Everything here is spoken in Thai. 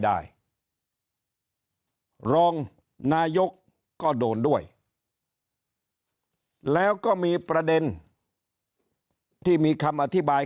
ได้รองนายกก็โดนด้วยแล้วก็มีประเด็นที่มีคำอธิบาย